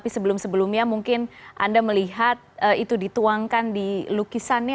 sebelum sebelumnya mungkin anda melihat itu dituangkan di lukisannya